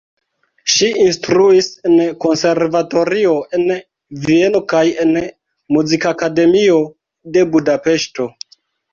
Ŝi instruis en konservatorio en Vieno kaj en Muzikakademio de Budapeŝto.